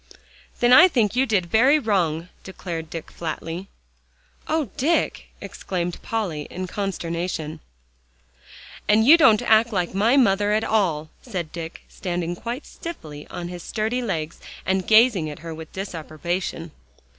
"Then I think you did very wrong," declared Dick flatly. "Oh, Dick!" exclaimed Polly in consternation. "And you don't act like my mother at all," said Dick, standing quite stiffly on his sturdy legs, and gazing at her with disapprobation.